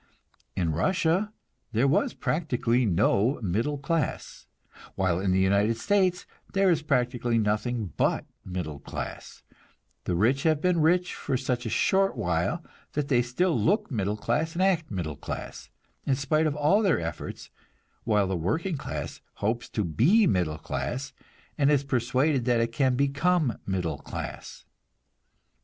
In Russia there was practically no middle class, while in the United States there is practically nothing but middle class; the rich have been rich for such a short while that they still look middle class and act middle class, in spite of all their efforts, while the working class hopes to be middle class and is persuaded that it can become middle class.